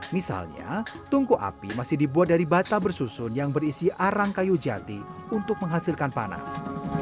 misalnya tungku api masih dibuat dari bata bersusun yang berisi arang kayu jati untuk menghasilkan panas